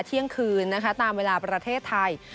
เที่ยงคืนนะคะตามเวลาประเทศไทย